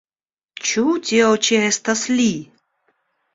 Ĉu tio ĉi estas li?